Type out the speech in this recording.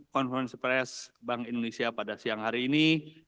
konferensi pers bank indonesia pada siang hari ini